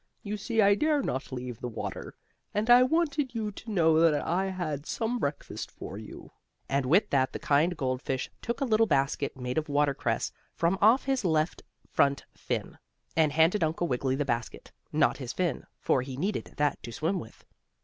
You see I dare not leave the water, and I wanted you to know that I had some breakfast for you." And with that the kind goldfish took a little basket, made of watercress, from off his left front fin, and handed Uncle Wiggily the basket, not his fin, for he needed that to swim with.